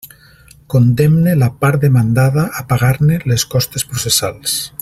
Condemne la part demandada a pagar-ne les costes processals.